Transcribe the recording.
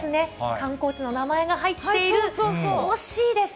観光地の名前が入っている、惜しいです。